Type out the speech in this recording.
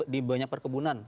di banyak perkebunan